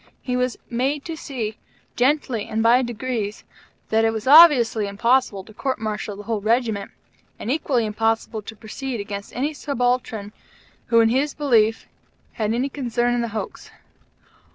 He was made to see, gently and by degrees, that it was obviously impossible to court martial the whole Regiment, and equally impossible to proceed against any subaltern who, in his belief, had any concern in the hoax.